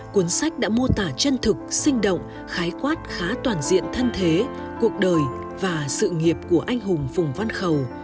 cuốn sách đã mô tả chân thực sinh động khái quát khá toàn diện thân thế cuộc đời và sự nghiệp của anh hùng phùng văn khẩu